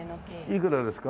いくらですか？